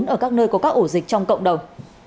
ở các nơi có các ổ dịch trong cộng đồng